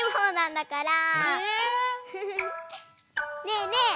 ねえねえ